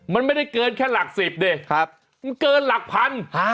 มันไม่ได้เกินแค่หลักสิบดิมันเกินหลักพัน